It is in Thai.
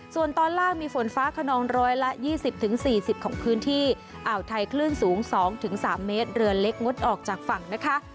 ส่วนตอนล่างมีฝนฟ้าขนองร้อยละ๒๐๔๐ของพื้นที่อ่าวไทยคลื่นสูง๒๓เมตรเรือเล็กงดออกจากฝั่งนะคะ